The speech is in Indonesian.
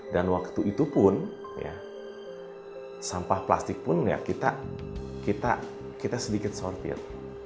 dan waktu itu pun sampah plastik pun kita sedikit sortir